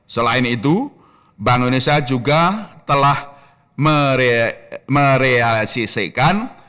selain itu bank indonesia juga telah merealisasikan